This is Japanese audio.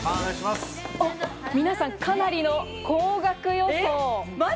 皆さん、かなりの高額予想。